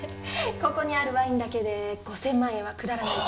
ここにあるワインだけで５０００万円は下らないと。